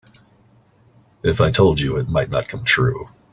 If I told you it might not come true.